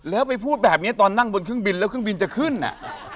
แล้วไปพูดแบบนี้ตอนนั่งบนเครื่องบินแล้วเครื่องบินจะขึ้นอ่ะ